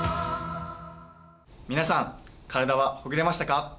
皆さん体はほぐれましたか？